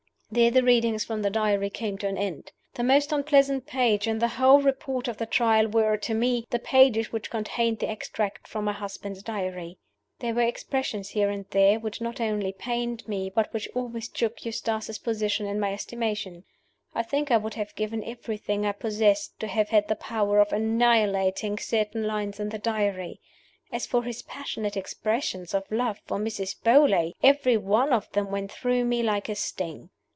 There the readings from the Diary came to an end. The most unpleasant pages in the whole Report of the Trial were to me the pages which contained the extracts from my husband's Diary. There were expressions here and there which not only pained me, but which almost shook Eustace's position in my estimation. I think I would have given everything I possessed to have had the power of annihilating certain lines in the Diary. As for his passionate expressions of love for Mrs. Beauly, every one of them went through me like a sting.